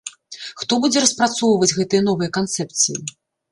Хто будзе распрацоўваць гэтыя новыя канцэпцыі?